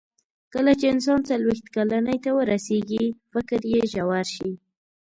کله چې انسان څلوېښت کلنۍ ته ورسیږي، فکر یې ژور شي.